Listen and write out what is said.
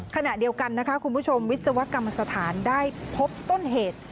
ขณะเดียวกันนะคะคุณผู้ชมวิศวกรรมสถานได้พบต้นเหตุ